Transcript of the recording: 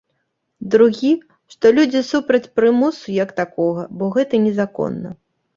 Другі, што людзі супраць прымусу як такога, бо гэта незаконна.